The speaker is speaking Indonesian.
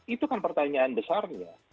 itu kan pertanyaan besarnya